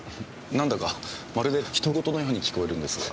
なんだかまるで他人事のように聞こえるんですが。